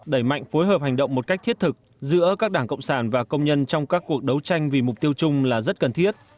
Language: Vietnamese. đẩy mạnh phối hợp hành động một cách thiết thực giữa các đảng cộng sản và công nhân trong các cuộc đấu tranh vì mục tiêu chung là rất cần thiết